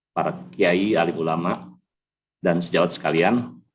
para kiai alim ulama dan sejawat sekalian